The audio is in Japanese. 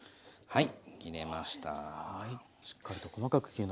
はい。